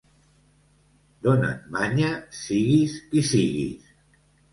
Dona't manya, siguis qui siguis!